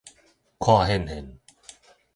看現現